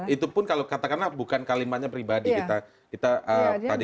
itu pun kalau katakanlah bukan kalimatnya pribadi